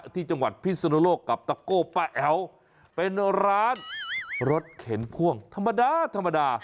ที่จังหวัดพิศนุโลกกับตะโก้ป้าแอ๋วเป็นร้านรถเข็นพ่วงธรรมดาธรรมดา